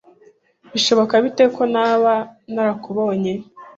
Bishoboka bite ko naba ntarakubonye?